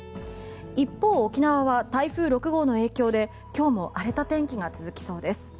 一方、沖縄は台風６号の影響で今日も荒れた天気が続きそうです。